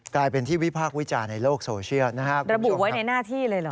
กลายเป็นที่วิพากษ์วิจารณ์ในโลกโซเชียลนะครับระบุไว้ในหน้าที่เลยเหรอ